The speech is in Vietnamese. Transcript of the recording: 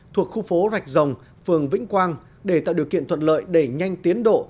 thuộc khu phố rạch rồng phường vĩnh quang để tạo điều kiện thuận lợi đẩy nhanh tiến độ